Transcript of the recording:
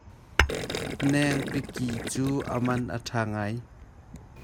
Nengpi ki cu a man a ṭha ngai.